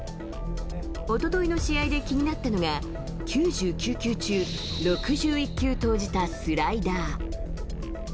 おとといの試合で気になったのが、９９球中６１球投じたスライダー。